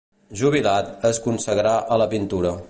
Jubilat, es consagrà a la pintura.